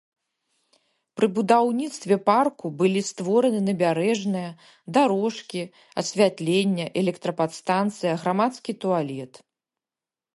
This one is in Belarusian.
Пры будаўніцтве парку былі створаны набярэжная, дарожкі, асвятленне, электрападстанцыя, грамадскі туалет.